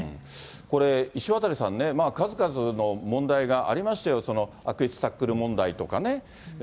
これ、石渡さんね、数々の問題がありましたよ、悪質タックル問題とかね。